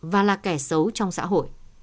và là kẻ xấu trong xã hội